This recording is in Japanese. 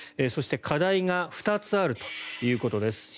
そして、課題が２つあるということです。